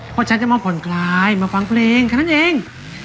เพราะฉันจะมองผลกลายมาฟังเพลงคนนั้นเอง